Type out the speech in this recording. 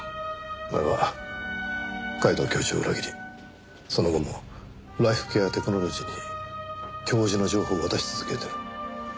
お前は皆藤教授を裏切りその後もライフケアテクノロジーに教授の情報を渡し続けてる。